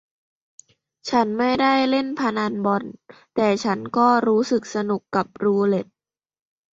ฉันไม่ได้เล่นพนันบ่อนแต่ฉันก็รู้สึกสนุกกับรูเรทท์